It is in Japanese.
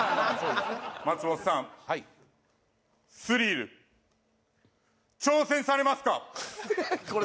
松本さんはいスリル挑戦されますか？